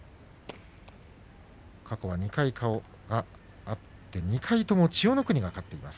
過去は２回、顔が合って２回とも千代の国が勝っています。